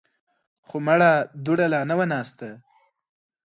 خو مړه دوړه لا نه وه ناسته.